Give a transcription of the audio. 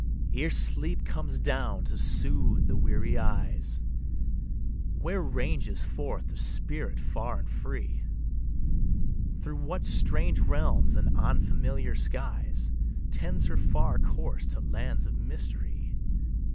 Ere sleep comes down to soothe the weary eyes, Where ranges forth the spirit far and free? Through what strange realms and unfamiliar skies. Tends her far course to lands of mystery?